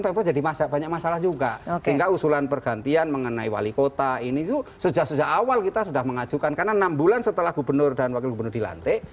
pemprov jadi banyak masalah juga sehingga usulan pergantian mengenai wali kota ini sejak sejak awal kita sudah mengajukan karena enam bulan setelah gubernur dan wakil gubernur dilantik